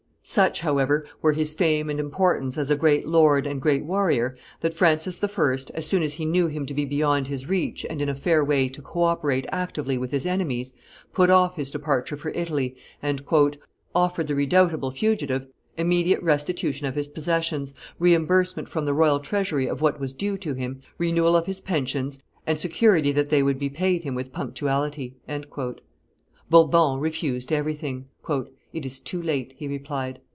Such, however, were his fame and importance as a great lord and great warrior, that Francis I., as soon as he knew him to be beyond his reach and in a fair way to co operate actively with his enemies, put off his departure for Italy, and "offered the redoubtable fugitive immediate restitution of his possessions, reimbursement from the royal treasury of what was due to him, renewal of his pensions and security that they would be paid him with punctuality." Bourbon refused everything. "It is too late," he replied.